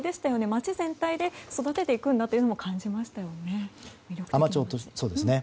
町全体で育てていくんだというのを感じましたよね。